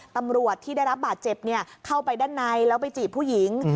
ตำรวจที่ได้รับบาดเจ็บเข้าไปด้านในแล้วไปจีบผู้หญิง